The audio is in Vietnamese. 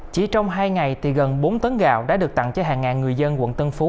chỉ trong hai ngày thì gần bốn tấn gạo đã được tặng cho hàng ngàn người dân quận tân phú